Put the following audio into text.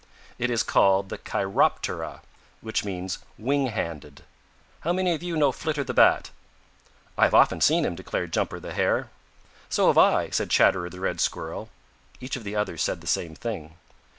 It is called the Chi rop ter a, which means wing handed. How many of you know Flitter the Bat?" "I've often seen him," declared Jumper the Hare. "So have I," said Chatterer the Red Squirrel. Each of the others said the same thing.